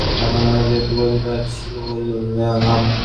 এখন আমার যেটুকু বলিবার ছিল, বলিলাম।